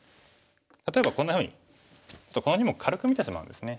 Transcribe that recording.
例えばこんなふうにこの２目軽く見てしまうんですね。